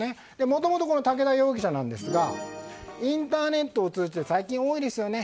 もともと、武田容疑者なんですがインターネットを通じて最近多いですよね